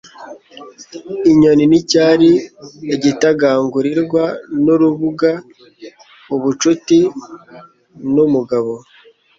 Inyoni n' icyari, igitagangurirwa n'urubuga, ubucuti n'umugabo.